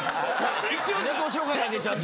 一応自己紹介だけちゃんと。